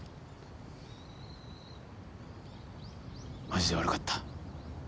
マジで悪かった。